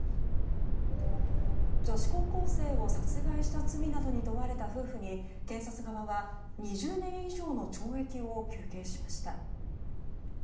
女子高校生を殺害した罪などに問われた夫婦に検察側は２０年以上の懲役を求刑しました。